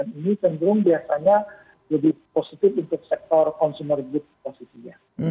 dan ini cenderung biasanya lebih positif untuk sektor konsumer gitu posisinya